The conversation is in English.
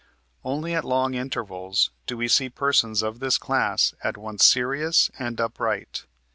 Only at long intervals do we see persons of this class at once serious and upright.